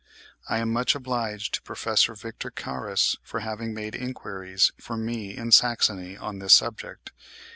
(18. I am much obliged to Prof. Victor Carus, for having made enquiries for me in Saxony on this subject.